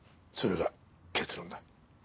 それが結論だ。